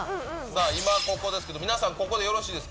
今、ここですけど、皆さん、ここでよろしいですか？